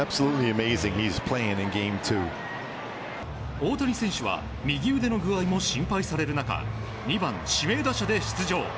大谷選手は右腕の具合も心配される中２番指名打者で出場。